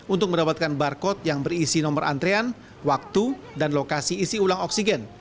untuk mendapatkan barcode yang berisi nomor antrean waktu dan lokasi isi ulang oksigen